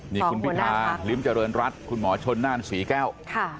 นี่คุณพิธาลิ้มเจริญรัฐคุณหมอชนน่านศรีแก้ว